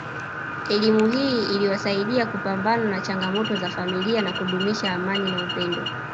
Elimu hii iliwasaidia kupambana na changamoto za familia na kudumisha amani na upendo